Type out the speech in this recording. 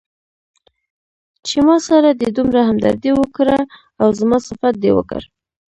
چې ماسره دې دومره همدردي وکړه او زما صفت دې وکړ.